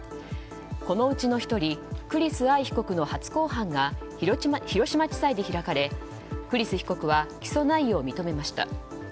このうちの１人栗栖愛被告の初公判が広島地裁で開かれ、栗栖被告は起訴内容を認めました。